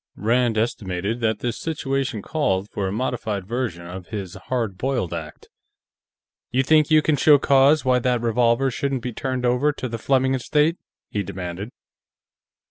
Rand estimated that this situation called for a modified version of his hard boiled act. "You think you can show cause why that revolver shouldn't be turned over to the Fleming estate?" he demanded.